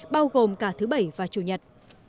bao gồm cả thứ bảy và chủ nhật